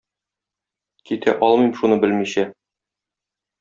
Китә алмыйм шуны белмичә.